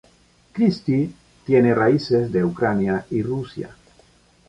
Christie tiene raíces de Ucrania y Rusia.